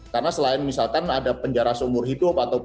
karena selain misalkan ada penjara seumur hidup